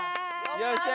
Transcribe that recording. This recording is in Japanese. よっしゃ！